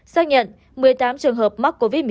xác nhận một mươi tám trường hợp mắc covid một mươi chín